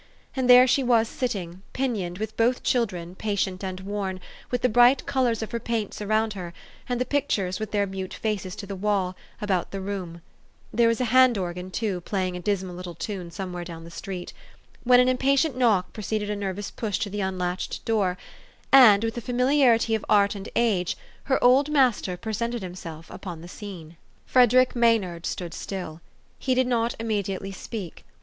And there she was sitting, pin ioned, with both children, patient and worn, with the bright colors of her paints around her, and the pic tures, with their mute faces to the wall, about the room (there was a hand organ, too, playing a dis mal little tune somewhere down the street) , when an impatient knock preceded a nervous push to the THE STORY OF AVIS. 371 unlatched door, and, with the familiarity of art and age, her old master presented himself upon the scene. Frederick Maynard stood still. He did not im mediately speak.